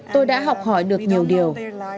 tôi đã học hỏi được nhiều điều